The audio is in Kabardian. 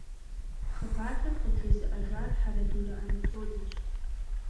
Хъыбархэр къыджезыӀэжар Хьэрэдурэ Анатолэщ.